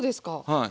はい。